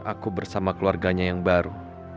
aku bersama keluarganya yang baru